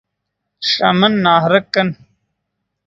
ݰے من نہرے کن